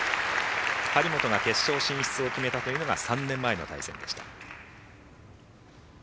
張本が決勝進出を決めたというのが３年前の対戦でした。